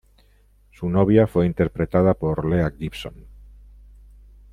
Su novia fue interpretada por Leah Gibson.